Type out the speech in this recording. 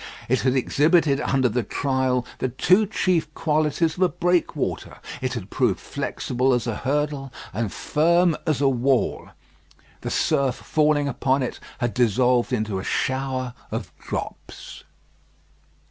It had exhibited under the trial the two chief qualities of a breakwater; it had proved flexible as a hurdle and firm as a wall. The surf falling upon it had dissolved into a shower of drops.